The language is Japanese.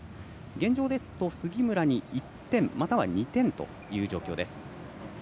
現状ですと杉村に１点または２点という状況。